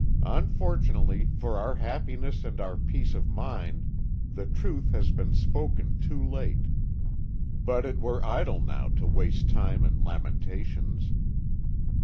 Unfortunately for our happiness and our peace of mind the truth has been spoken too late; but it were idle now to waste time in lamentations.